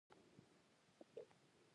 نورمحمد ترهکی یو تکړه ناوللیکونکی وو.